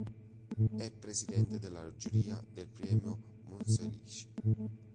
È presidente della giuria del Premio Monselice.